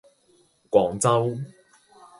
廣州